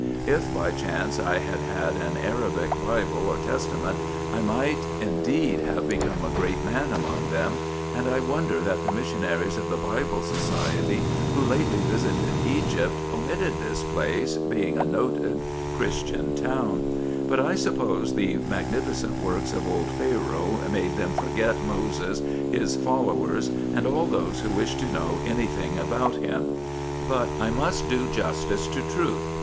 If, by chance, I had had an Arabic Bible or Testament, I might indeed have become a great man among them ; and I wonder that the Missionaries of the Bible Society, who lately visited Egypt, omitted this place, being a noted Christian town ; but I suppose the magnificent works of old Pharaoh made them forget Moses, his followers, and all those who wish to know any thing about him. But I must do justice to truth.